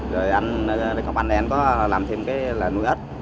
rồi anh có làm thêm cái là nuôi ếch